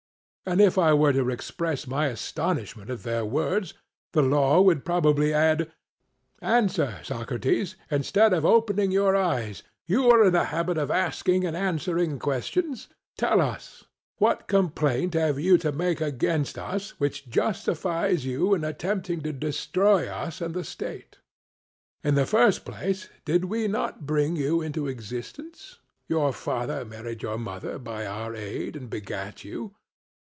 And if I were to express my astonishment at their words, the law would probably add: 'Answer, Socrates, instead of opening your eyes you are in the habit of asking and answering questions. Tell us, What complaint have you to make against us which justifies you in attempting to destroy us and the state? In the first place did we not bring you into existence? Your father married your mother by our aid and begat you.